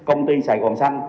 công ty sài gòn xanh